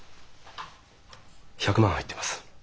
１００万入ってます。